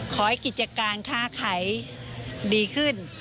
ขอให้กิจการค้าขายดีขึ้น